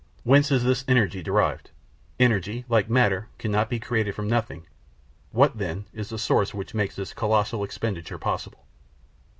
Whence is this energy derived? Energy, like matter, cannot be created from nothing; what, then, is the source which makes this colossal expenditure possible.